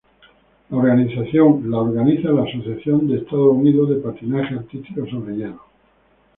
Lo organiza la Asociación de Estados Unidos de Patinaje Artístico sobre Hielo.